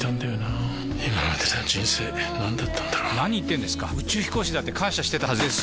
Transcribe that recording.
今までの人生なんだったんだろう何言ってんですか宇宙飛行士だって感謝してたはずです！